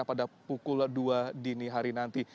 pada pukul dua dini hari nanti